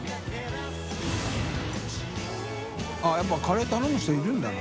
笋辰僂カレー頼む人いるんだな。